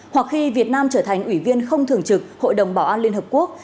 hoặc khi việt nam trở thành ủy viên không thường trực hội đồng bảo an liên hợp quốc